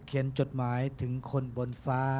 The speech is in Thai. จดหมายถึงคนบนฟ้า